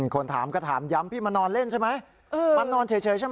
คนถามก็ถามย้ำพี่มานอนเล่นใช่ไหมมานอนเฉยใช่ไหม